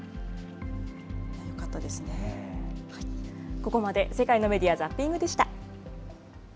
ここまで世界のメディアザッピングでした。